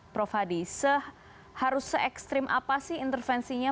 prof hadi seharus se ekstrim apa sih intervensi ini